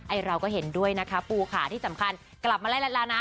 เราก็เห็นด้วยนะคะปูค่ะที่สำคัญกลับมาไล่รัดแล้วนะ